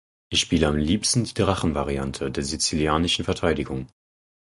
Ich spiele am liebsten die Drachenvariante der sizilianischen Verteidigung.